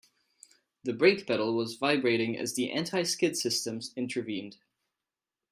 The brake pedal was vibrating as the anti-skid system intervened.